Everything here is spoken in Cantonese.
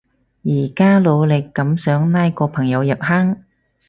而家努力噉想拉個朋友入坑